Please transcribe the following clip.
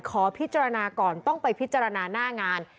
ขอพิจารณาก่อนต้องไปพิจารณาหน้างาน